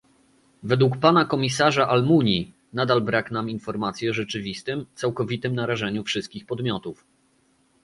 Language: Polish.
Według pana komisarza Almunii nadal brak nam informacji o rzeczywistym, całkowitym narażeniu wszystkich podmiotów